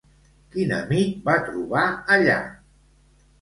Quin amic va trobar allà?